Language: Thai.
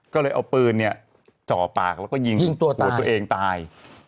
ก็เลยเอาปืนเนี่ยจ่อปากแล้วก็ยิงตัวตัวเองตาย